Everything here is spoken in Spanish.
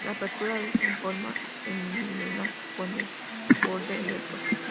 La apertura es en forma semilunar con el borde recto.